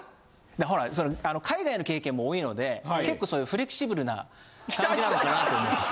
ほらその海外の経験も多いので結構そういうフレキシブルな感じなのかなと思って。